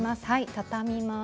畳みます。